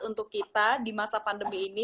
untuk kita di masa pandemi ini